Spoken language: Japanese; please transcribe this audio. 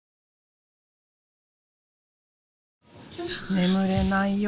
眠れない夜。